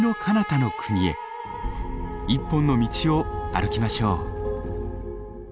一本の道を歩きましょう。